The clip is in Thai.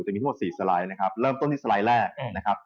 จะมีทั้งหมด๔สไลด์เริ่มต้นที่สไลด์แรก